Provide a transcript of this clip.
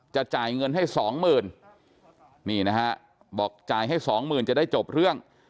จ่ายเงินให้สองหมื่นนี่นะฮะบอกจ่ายให้สองหมื่นจะได้จบเรื่อง